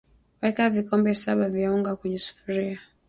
Weka vikombe saba vya unga kwenye sufuria